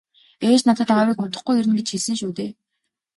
- Ээж надад аавыг удахгүй ирнэ гэж хэлсэн шүү дээ.